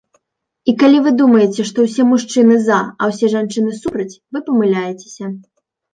І калі вы думаеце, што ўсе мужчыны за, а ўсе жанчыны супраць, вы памыляецеся!